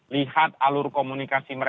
lihat alur komunikasi